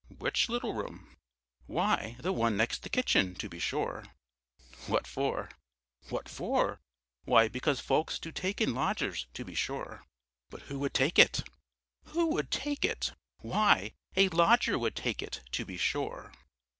"Which little room?" "Why, the one next the kitchen, to be sure." "What for?" "What for? Why because folks do take in lodgers, to be sure." "But who would take it?" "Who would take it? Why, a lodger would take it, to be sure."